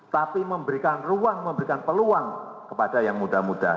tapi memberikan ruang memberikan peluang kepada yang muda muda